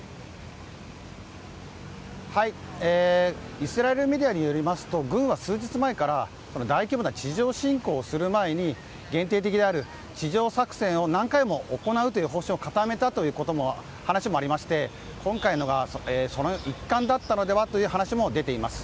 イスラエルのメディアによりますと軍は数日前から大規模な地上侵攻をする前に限定的である地上作戦を何回も行うという方針を固めたという話もありまして、今回のがその一環だったのではという話も出ています。